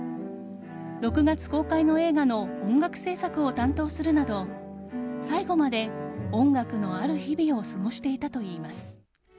６月公開の映画の音楽制作を担当するなど最期まで音楽のある日々を過ごしていたといいます。